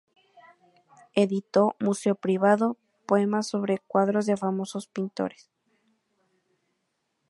Editó "Museo Privado", poemas sobre cuadros de famosos pintores.